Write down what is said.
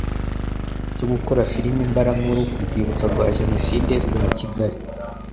cyo gukora filimi mbarankuru ku rwibutso rwa Jenoside rwa Kigali